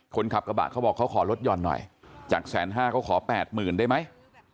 คนขับกระบะเขาบอกเขาขอลดหย่อนหน่อยจาก๑๕๐๐เขาขอ๘๐๐๐ได้ไหม